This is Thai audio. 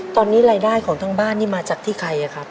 ตอนนี้รายได้ของทั้งบ้านนี่มาจากที่ใครครับ